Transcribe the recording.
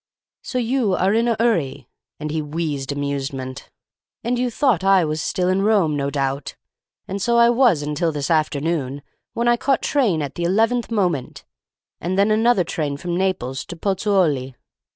"'So you are in a 'urry!' and he wheezed amusement. 'And you thought I was still in Rome, no doubt; and so I was until this afternoon, when I caught train at the eleventh moment, and then another train from Naples to Pozzuoli.